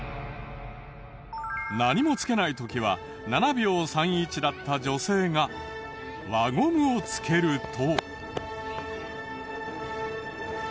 何もつけない時は７秒３１だった女性が輪ゴムをつけると。